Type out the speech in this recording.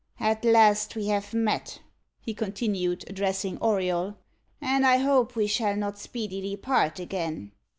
At last we have met," he continued, addressing Auriol, "and I hope we shall not speedily part again.